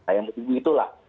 nah yang itu lah